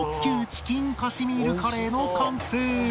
チキンカシミールカレーの完成